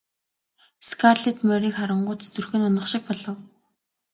Скарлетт морийг харангуут зүрх нь унах шиг болов.